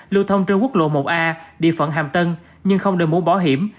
lưu thông trên quốc lộ một a địa phận hàm tân nhưng không được mua bỏ hiểm